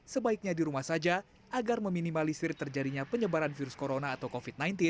sebaiknya di rumah saja agar meminimalisir terjadinya penyebaran virus corona atau covid sembilan belas